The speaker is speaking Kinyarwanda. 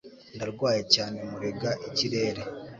Ndarwaye cyane murega ikirere.